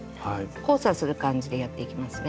交差する感じでやっていきますね。